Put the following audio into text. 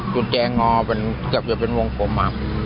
กุญแจงอเป็นโวงผม